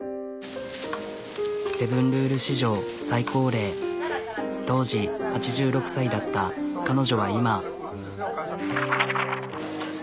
「セブンルール」史上最高齢当時８６歳だった彼女は今。